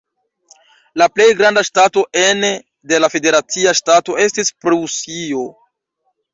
La plej granda ŝtato ene de la federacia ŝtato estis Prusio.